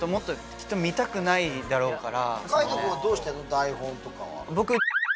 きっと見たくないだろうから。